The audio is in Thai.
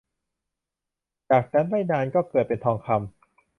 จากนั้นไม่นานก็เกิดเป็นทองคำ